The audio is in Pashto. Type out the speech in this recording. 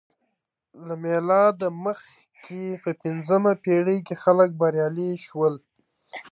له میلاده مخکې په پنځمه پېړۍ کې خلک بریالي شول